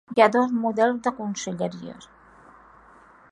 Hi ha dos models de conselleries.